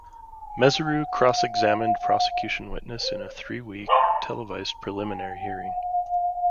Mesereau cross-examined prosecution witnesses in a three-week, televised preliminary hearing.